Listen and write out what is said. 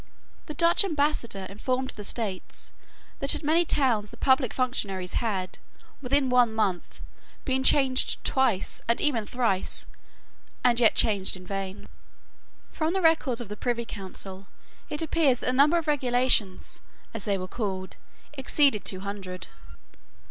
The Dutch Ambassador informed the States that at many towns the public functionaries had, within one month, been changed twice, and even thrice, and yet changed in vain. From the records of the Privy Council it appears that the number of regulations, as they were called, exceeded two hundred.